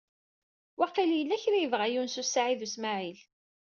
Waqil yella kra i yebɣa Yunes u Saɛid u Smaɛil.